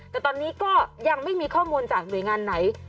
แต่ตอนนี้ก็ยังไม่มีข้อมูลจากหน่วยงานไหน